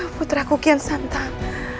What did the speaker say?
putraku kian santang